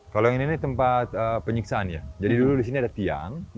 kalau yang ini tempat penyiksaan ya jadi dulu di sini ada tiang